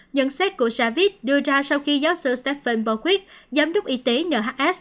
nhận xét của savitz đưa ra sau khi giáo sư stephen borkwick giám đốc y tế nhs